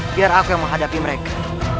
biar aku yang menghadapi mereka